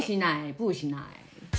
ブーしない。